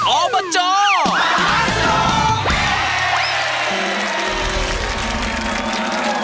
ออบจมหาสนุก